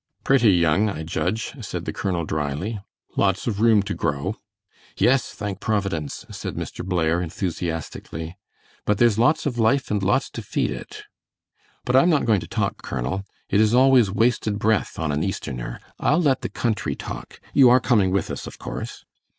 "Pretty young, I judge," said the colonel, dryly. "Lots of room to grow." "Yes, thank Providence!" said Mr. Blair, enthusiastically; "but there's lots of life and lots to feed it. But I'm not going to talk, Colonel. It is always wasted breath on an Easterner. I'll let the country talk. You are coming with us, of course."